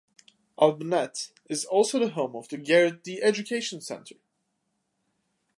Alburnett is also the home of the Garrett D Education Center.